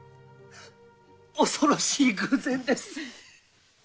恐ろしい偶然です。